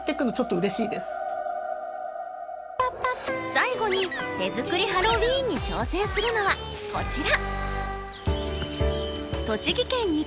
最後に手作りハロウィーンに挑戦するのはこちら！